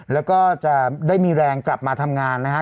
แล้วก็จะได้มีแรงกลับมาทำงานนะฮะ